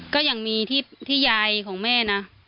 ก็ยังมีที่ยายของแม่นะ